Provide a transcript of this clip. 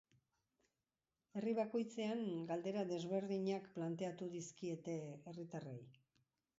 Herri bakoitzean galdera desberdinak planteatu dizkiete herritarrei.